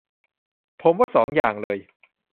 ผมว่าสองอย่างเลย